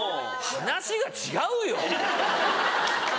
話が違うよ。